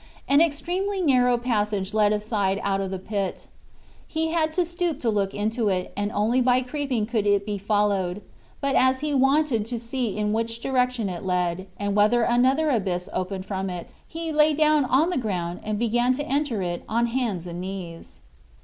An extremely narrow passage led aside out of the pit. He had to stoop to look into it, and only by creeping could it be followed; but as he wanted to see in which direction it led, and whether another abyss opened from it, he lay down on the ground and began to enter it on hands and knees.